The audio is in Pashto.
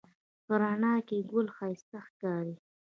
په رڼا کې ګل ښایسته ښکاري